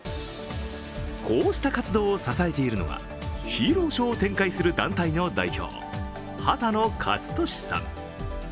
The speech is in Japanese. こうした活動を支えているのがヒーローショーを展開している団体の代表、羽田野勝利さん。